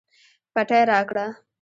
پټۍ راکړه